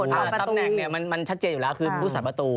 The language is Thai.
ตำแหน่งมันชัดเจนอยู่แล้วคือผู้สาปตัวตู